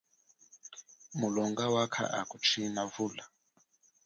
Mulonga wakha akuchina vula?